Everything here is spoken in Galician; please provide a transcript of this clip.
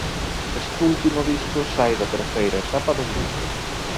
Este último disco sae da terceira etapa do grupo.